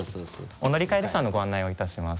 お乗り換え列車のご案内をいたします。